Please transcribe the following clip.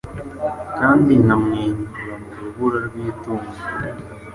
Kandi nkamwenyura mu rubura rw'itumba,